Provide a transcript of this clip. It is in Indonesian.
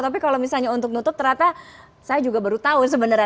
tapi kalau misalnya untuk nutup ternyata saya juga baru tahu sebenarnya